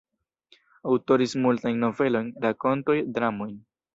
Aŭtoris multajn novelojn, rakontojn, dramojn.